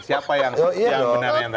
siapa yang benar